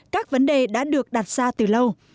các vấn đề đã được đặt ra từ lâu